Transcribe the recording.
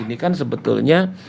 ini kan sebetulnya